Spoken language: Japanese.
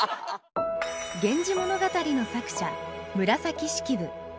「源氏物語」の作者紫式部。